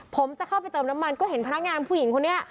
ผมจะเข้าไปเติมน้ำมันก็เห็นพนักงานผู้หญิงคนนี้